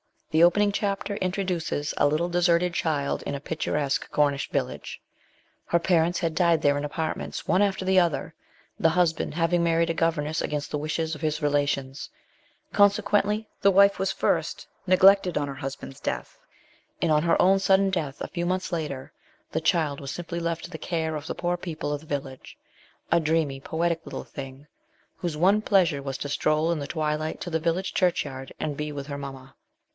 The opening chapter introduces a little deserted child in a picturesque Cornish village. Her parents had died there in apartments, one after the other, the hus band having married a governess against the wishes of his relations ; consequently, the wife was first neg lected on her husband's death ; and on her own sudden death, a few months later, the child was simply left to the care of the poor people of the village a dreamy, poetic little thing, whose one pleasure was to stroll in the twilight to the village churchyard and be with her mamma.